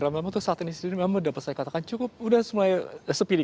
memang saat ini sendiri memang dapat saya katakan cukup udah mulai sepilih